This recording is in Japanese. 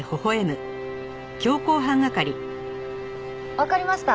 わかりました。